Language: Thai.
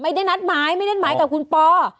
ไม่ได้นัดหมายไม่ได้นัดหมายกับคุณปออ้อ